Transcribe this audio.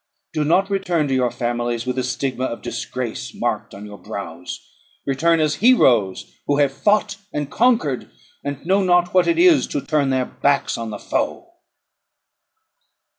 Do not return to your families with the stigma of disgrace marked on your brows. Return, as heroes who have fought and conquered, and who know not what it is to turn their backs on the foe."